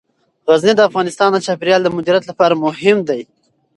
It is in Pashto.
غزني د افغانستان د چاپیریال د مدیریت لپاره مهم دي.